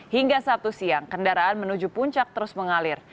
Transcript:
hingga sabtu siang kendaraan menuju puncak terus mengalir